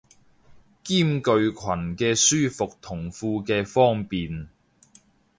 兼具裙嘅舒服同褲嘅方便